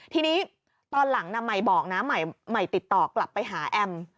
ทีนี้ตอนหลังใหม่บอกนะใหม่ติดต่อกลับไปหาแอม